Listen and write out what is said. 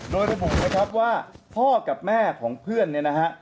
โดยระบุนะครับว่าพ่อกับแม่ของเพื่อนเนี่ยนะฮะ